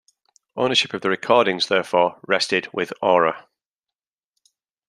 Ownership of the recordings therefore rested with Aura.